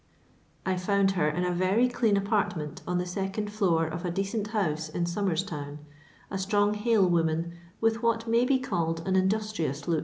I found her in a very clean apartment on the second floor of a decent house in Somers town ; a strong hale woman, with what may be called an indus trious look.